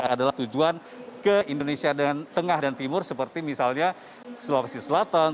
adalah tujuan ke indonesia tengah dan timur seperti misalnya sulawesi selatan